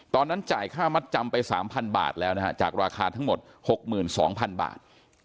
จ่ายค่ามัดจำไป๓๐๐บาทแล้วนะฮะจากราคาทั้งหมด๖๒๐๐๐บาท